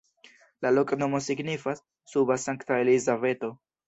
La loknomo signifas: suba-Sankta-Elizabeto.